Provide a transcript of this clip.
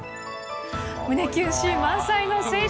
胸キュンシーン満載の青春